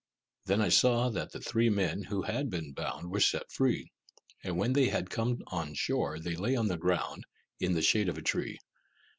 Then I saw that the three men who had been bound were set free; and when they had come on shore they lay on the ground, in the shade of a tree.